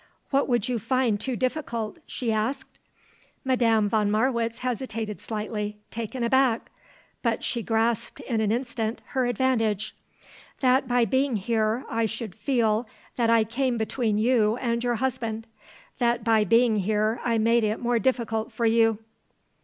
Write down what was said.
"What would you find too difficult?" she asked. Madame von Marwitz hesitated slightly, taken aback. But she grasped in an instant her advantage. "That by being here I should feel that I came between you and your husband. That by being here I made it more difficult for you."